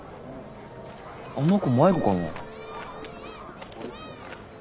あの子迷子かな。